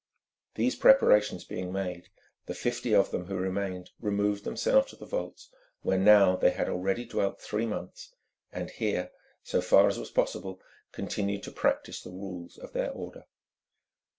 These preparations being made, the fifty of them who remained removed themselves to the vaults where now they had already dwelt three months, and here, so far as was possible, continued to practise the rules of their order.